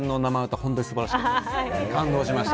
本当に素晴らしかった。